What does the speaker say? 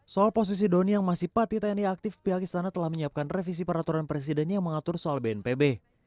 soal posisi doni yang masih pati tni aktif pihak istana telah menyiapkan revisi peraturan presiden yang mengatur soal bnpb